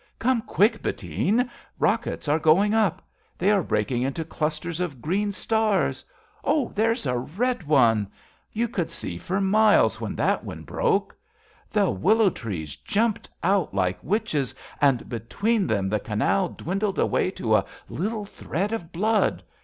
Come quick, Bettine, rockets are going up ! They are breaking into clusters of green stars ! Oh, there's a red one ! You could see for miles When that one broke. The willow trees jumped out 67 RADA Like witches ; and, between them, the canal Dwindled away to a little thread of blood.